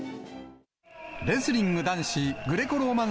レスリング男子グレコローマン